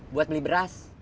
buat beli beras